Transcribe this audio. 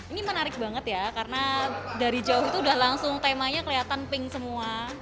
ini menarik banget ya karena dari jauh itu udah langsung temanya kelihatan pink semua